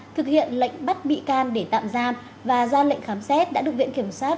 thực hiện lệnh bắt bị can để tạm giam và ra lệnh khám xét đã được viện kiểm sát